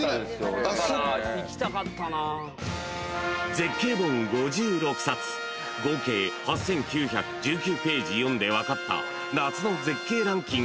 ［絶景本５６冊合計８，９１９ページ読んで分かった夏の絶景ランキング］